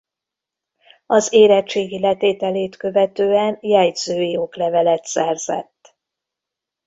Az érettségi letételét követően jegyzői oklevelet szerzett.